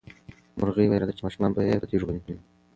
مرغۍ وېرېده چې ماشومان به یې په تیږو وولي.